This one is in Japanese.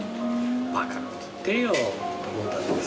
バカなこと言ってるよと思ったんだけどさ